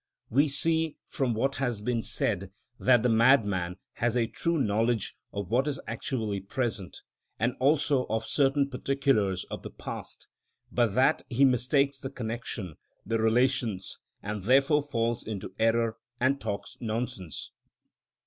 We see, from what has been said, that the madman has a true knowledge of what is actually present, and also of certain particulars of the past, but that he mistakes the connection, the relations, and therefore falls into error and talks nonsense.